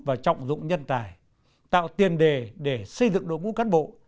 và trọng dụng nhân tài tạo tiền đề để xây dựng cán bộ